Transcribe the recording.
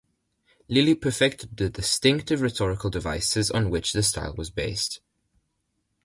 Lyly perfected the distinctive rhetorical devices on which the style was based.